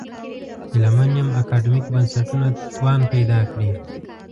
هیله من یم اکاډمیک بنسټونه توان پیدا کړي.